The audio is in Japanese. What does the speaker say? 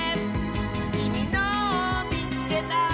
「きみのをみつけた！」